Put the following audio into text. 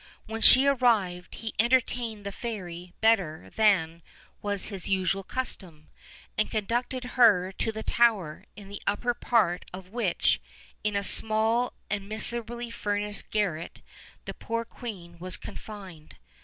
When she arrived he entertained the fairy better than was his usual custom, and conducted her to the tower, in the upper part of which, in a small and mis erably furnished garret, the poor queen was confined.